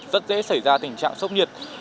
rất dễ xảy ra tình trạng sốc nhiệt